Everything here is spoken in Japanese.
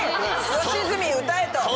「良純歌え」と。